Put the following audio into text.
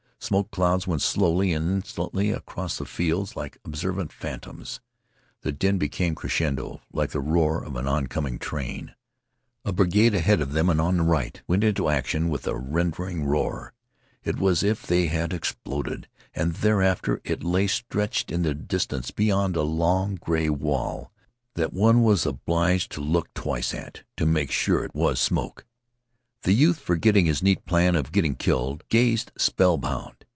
Smoke clouds went slowly and insolently across the fields like observant phantoms. The din became crescendo, like the roar of an oncoming train. A brigade ahead of them and on the right went into action with a rending roar. It was as if it had exploded. And thereafter it lay stretched in the distance behind a long gray wall, that one was obliged to look twice at to make sure that it was smoke. The youth, forgetting his neat plan of getting killed, gazed spell bound.